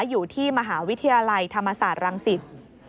อยู่ที่มหาวิทยาลัยธรรมศาสตร์รังสิต